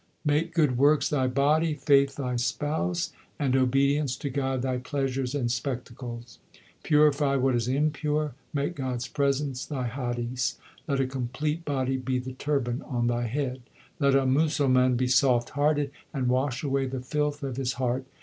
Make good works thy body, faith thy spouse, And obedience to God thy pleasures and spectacles. Purify what is impure, make God s presence thy Hadis 1 ; let a complete 2 body be the turban on thy head. Let a Musalman be soft hearted, And wash away the filth of his heart.